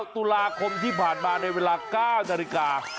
ตุลาคมที่ผ่านมาในเวลา๙นาฬิกา